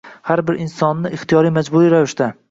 har bir insonni ixtiyoriy-majburiy ravishda